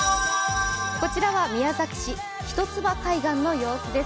こちらは宮崎市・一ツ葉海岸の様子です。